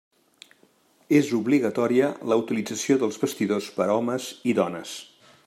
És obligatòria la utilització dels vestidors per a homes i dones.